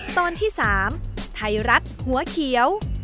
ตอนที่๓ไทยรัฐหัวเขียว